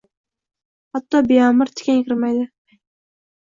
Hatto beamr tikan kirmaydi.